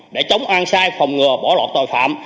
để chống an sai phòng ngừa bỏ lọt tội phạm